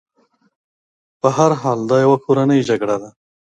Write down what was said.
په هر حال دا یوه کورنۍ جګړه وه.